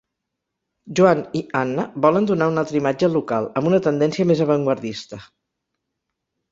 Joan i Anna volen donar una altra imatge al local, amb una tendència més avantguardista.